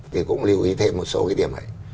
thì cũng lưu ý thêm một số cái điểm ấy